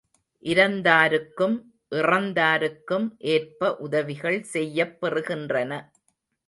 இரந்தாருக்கும், இறந்தாருக்கும் ஏற்ப உதவிகள் செய்யப் பெறுகின்றன.